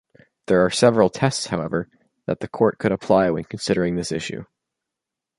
There are several tests, however, that the court could apply when considering this issue.